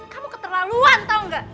kamu keterlaluan tau gak